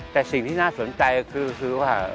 แต่สิ่งที่น่าสนใจก็คือว่า